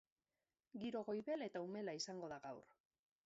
Giro goibel eta umela izango da gaur.